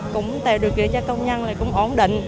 cũng tạo được kỹ cho công nhân là cũng ổn định